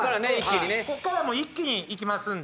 こっから一気にいきますんで。